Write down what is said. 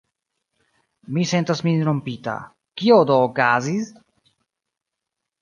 Mi sentas min rompita: kio do okazis?